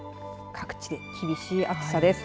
各地で厳しい暑さです。